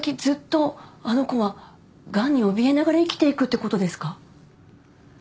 ずっとあの子はがんにおびえながら生きていくってことですか？